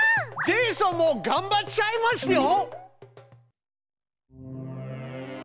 ジェイソンもがんばっちゃいますよ！